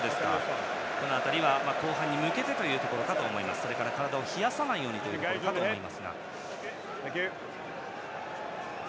この辺は後半に向けてというところそれから体を冷やさないようにということだと思います。